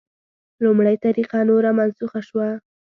لومړۍ طریقه نوره منسوخه شوه.